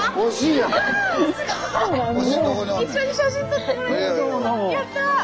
やった！